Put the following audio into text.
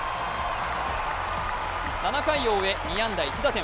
７回を追え２安打１打点。